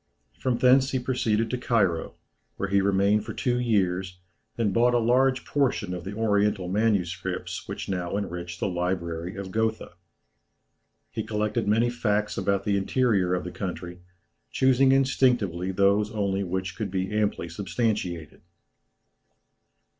From thence he proceeded to Cairo, where he remained for two years, and bought a large portion of the oriental manuscripts which now enrich the library of Gotha. He collected many facts about the interior of the country, choosing instinctively those only which could be amply substantiated.